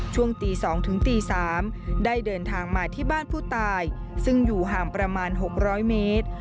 ช่วงตี๒ถึงตี๓ได้เดินทางมาที่บ้านผู้ตายซึ่งอยู่ห่างประมาณ๖๐๐เมตร